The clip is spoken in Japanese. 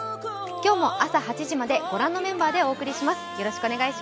今日も朝８時までご覧のメンバーでお送りします。